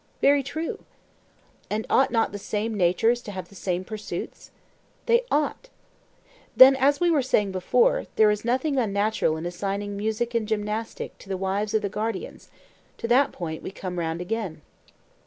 Very true. And ought not the same natures to have the same pursuits? They ought. Then, as we were saying before, there is nothing unnatural in assigning music and gymnastic to the wives of the guardians—to that point we come round again.